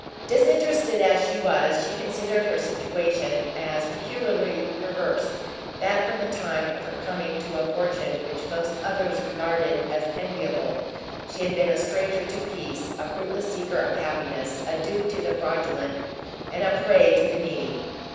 Disinterested as she was, she considered her situation as peculiarly perverse, that from the time of her coming to a fortune which most others regarded as enviable, she had been a stranger to peace, a fruitless seeker of happiness, a dupe to the fraudulent, and a prey to the needy!